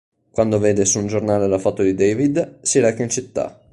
Quando vede su un giornale la foto di David, si reca in città.